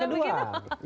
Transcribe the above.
kalau misalnya begitu